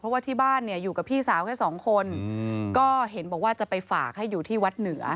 เพราะว่าที่บ้านเนี่ยอยู่กับพี่สาวแค่สองคนก็เห็นบอกว่าจะไปฝากให้อยู่ที่วัดเหนือ